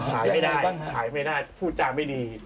ขายไม่ได้ขายไม่ได้พูดจาไม่ดี